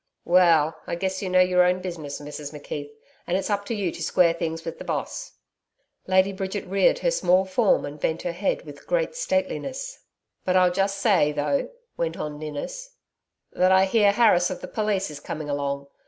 'Well, I guess you know your own business, Mrs McKeith, and it's up to you to square things with the Boss.' Lady Bridget reared her small form and bent her head with great stateliness. 'But I'll just say, though,' went on Ninnis, 'that I hear Harris of the police is coming along.